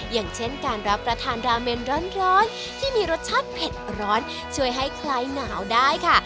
อย่างเช่นการรับประทานราเมนร้อนที่มีรสชาติเผ็ดร้อนช่วยให้คลายหนาวได้ค่ะ